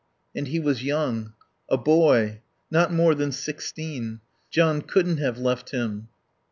And he was young. A boy. Not more than sixteen. John couldn't have left him.